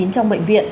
trong bệnh viện